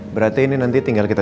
berarti ini nanti tinggal di rumah